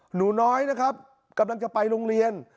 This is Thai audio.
หนูน้อยนะครับกำลังจะไปโรงเรียน